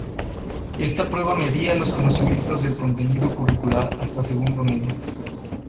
Esta prueba medía los conocimientos del contenido curricular hasta segundo medio.